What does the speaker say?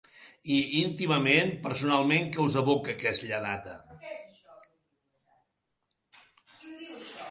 I, íntimament, personalment que us evoca aquella data?